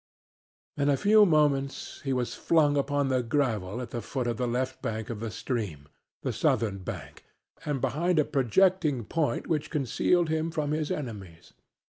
In a few moments he was flung upon the gravel at the foot of the left bank of the stream the southern bank and behind a projecting point which concealed him from his enemies.